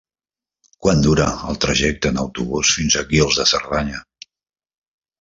Quant dura el trajecte en autobús fins a Guils de Cerdanya?